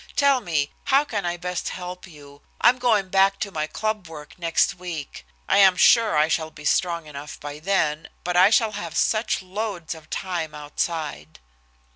Tell me, how can I best help you? I'm going back to my club work next week I am sure I shall be strong enough by then, but I shall have such loads of time outside."